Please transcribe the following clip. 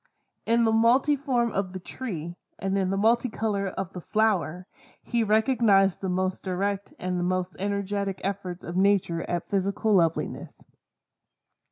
In the multiform of the tree, and in the multicolor of the flower, he recognized the most direct and the most energetic efforts of Nature at physical loveliness.